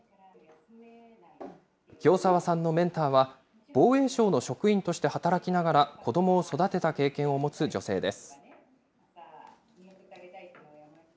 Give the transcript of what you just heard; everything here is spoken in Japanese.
清澤さんのメンターは、防衛省の職員として働きながら、子どもを育てた経験を持つ女性です。